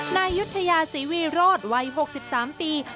นายยุธยาศรีวีโรธวัย๖๓ปี